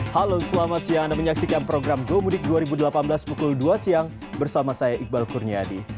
halo selamat siang anda menyaksikan program gomudik dua ribu delapan belas pukul dua siang bersama saya iqbal kurniadi